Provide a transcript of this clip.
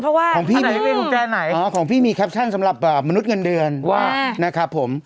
เพราะว่าของพี่มีแคปชั่นสำหรับมนุษย์เงินเดือนนะครับผม